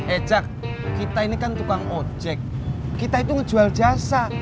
ejak kita ini kan tukang ojek kita itu ngejual jasa